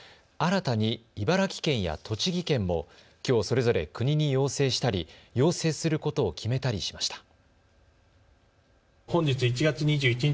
新たに、茨城県や栃木県もきょうそれぞれ国に要請したり要請することを決めたりしました。